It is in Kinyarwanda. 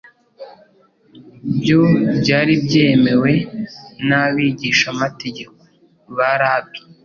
byo byari byemewe n’abigishamategeko (ba Rabbi);